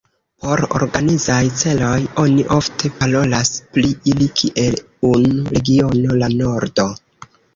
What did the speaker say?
Por organizaj celoj, oni ofte parolas pri ili kiel unu regiono, La Nordo.